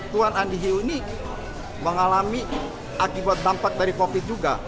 tuan andi hiu ini mengalami akibat dampak dari covid juga